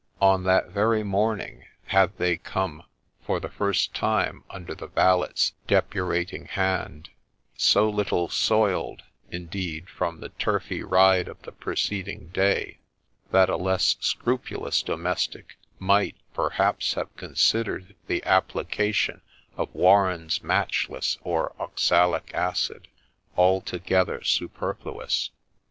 On that very morning had they come for the first time under the valet's depurating hand, so little soiled, indeed, from the turfy ride of the preceding day, that a less scrupulous domestic might, perhaps, have considered the applica tion of ' Warren's Matchless,' or oxalic acid, altogether super fluous.